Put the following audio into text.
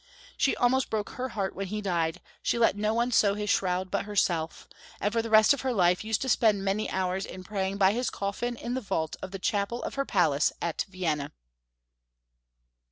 She almost broke her heart when he died, she let no one sew his shroud but herself, and for the rest of her life used to spend many hours in praying by his coffin in the vault of the chapel of her palace at Vienna.